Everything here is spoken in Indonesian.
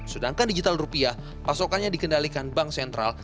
sedangkan digital rupiah pasokannya dikendalikan bank sentral